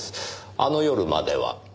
あの夜までは。